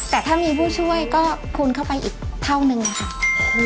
แต่ถ้ามีผู้ช่วยก็คูณเข้าไปอีกเท่านึงค่ะ